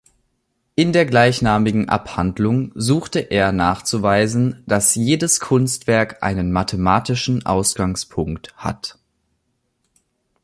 In der gleichnamigen Abhandlung suchte er nachzuweisen, dass jedes Kunstwerk einen mathematischen Ausgangspunkt hat.